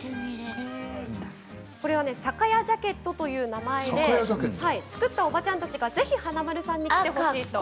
これは酒屋ジャケットという名前で作ったおばちゃんたちがぜひ華丸さんに着てほしいと。